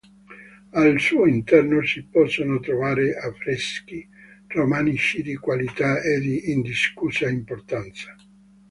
Al suo interno si possono trovare affreschi romanici di qualità e di indiscussa importanza.